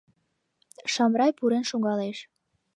Шамрай пурен шогалеш.